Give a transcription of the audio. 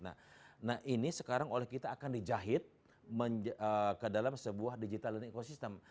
nah ini sekarang oleh kita akan dijahit ke dalam sebuah digital ecosystem